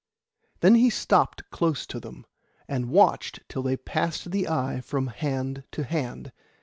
Then he stepped close to them, and watched till they passed the eye from hand to hand.